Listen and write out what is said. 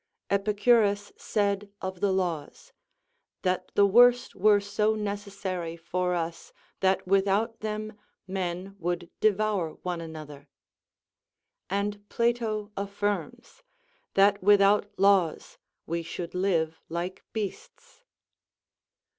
Epicurus said of the laws, "That the worst were so necessary for us that without them men would devour one another." And Plato affirms, "That without laws we should live like beasts."